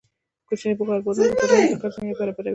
کوچني کاروبارونه په ټولنه کې د کار زمینه برابروي.